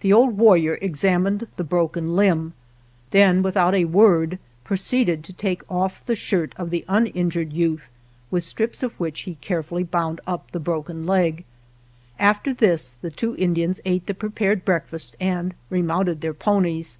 The old war rior examined the broken limb, then without a word proceeded to take off the shirt of the uninjured youth, with strips of which he 92 OTHER RAIDS carefully bound up the broken leg. After this the two Indians ate the prepared break fast and remounted their ponies.